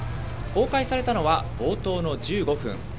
公開されたのは冒頭の１５分。